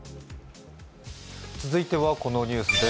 続いてはこのニュースです。